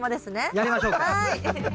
やりましょうか。